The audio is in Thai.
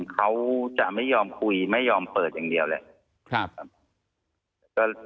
เขาจะไม่ยอมคุยไม่ยอมเปิดอย่างเดียวแหละ